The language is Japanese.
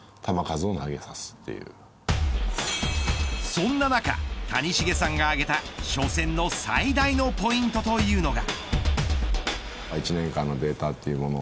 そんな中、谷繁さんが挙げた初戦の最大のポイントというのが。